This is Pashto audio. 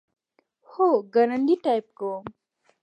هو، ګړندی ټایپ کوم